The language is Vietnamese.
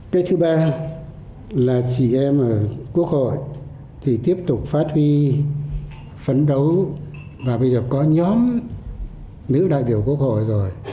cái thứ ba là chị em ở quốc hội thì tiếp tục phát huy phấn đấu và bây giờ có nhóm nữ đại biểu quốc hội rồi